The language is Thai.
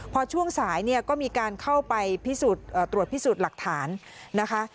พอช่วงสายก็มีการเข้าไปตรวจพิสูจน์หลักฐานนะคะ